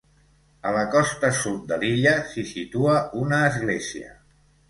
A la costa sud de l'illa s'hi situa una església.